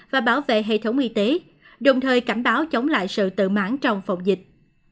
và bảo vệ hệ thống y tế đồng thời cảnh báo chống lại sự tự mãn trong phòng dịch